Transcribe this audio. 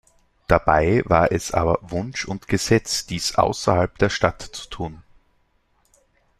Dabei war es aber Wunsch und Gesetz, dies außerhalb der Stadt zu tun.